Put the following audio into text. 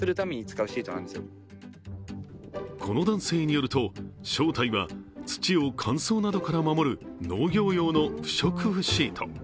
この男性によると、正体は土を乾燥などから守る農業用の不織布シート。